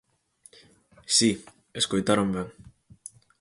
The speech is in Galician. Si, escoitaron ben.